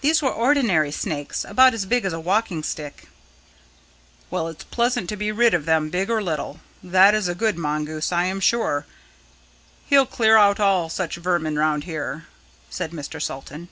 "These were ordinary snakes, about as big as a walking stick." "Well, it's pleasant to be rid of them, big or little. That is a good mongoose, I am sure; he'll clear out all such vermin round here," said Mr. Salton.